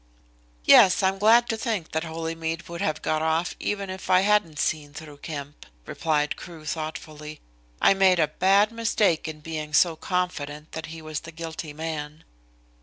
"Yes, I'm glad to think that Holymead would have got off even if I hadn't seen through Kemp," replied Crewe thoughtfully. "I made a bad mistake in being so confident that he was the guilty man."